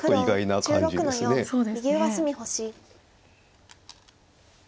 黒１６の四右上隅星。